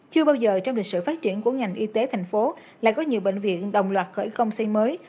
chưa bao giờ trong lịch sử phát triển của ngành y tế thành phố lại có nhiều bệnh viện đồng loạt khởi công xây mới